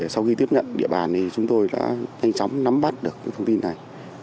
sau khi tiếp nhận địa bàn thì chúng tôi đã nhanh chóng nắm bắt được những thông tin này